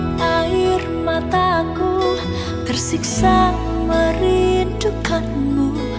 sumpah mati kau urusak jiwaku saat ini